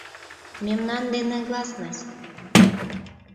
— Мемнан дене гласность...